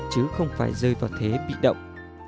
chứ không phải rơi vào thế bị động